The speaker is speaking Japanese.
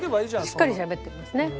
しっかりしゃべってますね。